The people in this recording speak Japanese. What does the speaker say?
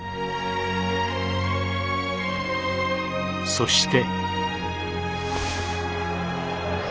そして。